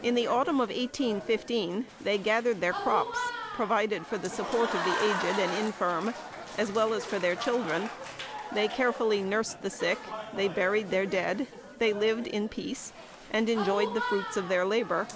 In the autumn of 1815, they gathered their crops, provided for the support of the aged and infirm, as well as for their children. They carefully nursed the sick; they buried their dead; they lived in peace, and enjoyed the fruits of their labor.